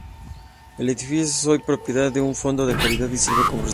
El edificio es hoy propiedad de un fondo de caridad y sirve como restaurante.